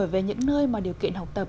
về những nơi mà điều kiện học tập